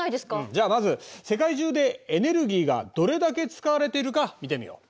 じゃあまず世界中でエネルギーがどれだけ使われているか見てみよう。